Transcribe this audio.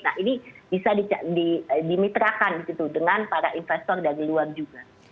nah ini bisa dimitrakan gitu dengan para investor dari luar juga